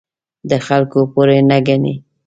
د خلکو پور نه ګڼي.